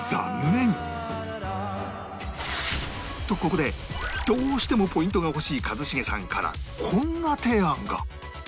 ここでどうしてもポイントが欲しい一茂さんからこんな提案が！